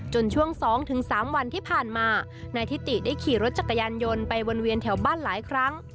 ช่วง๒๓วันที่ผ่านมานายทิติได้ขี่รถจักรยานยนต์ไปวนเวียนแถวบ้านหลายครั้ง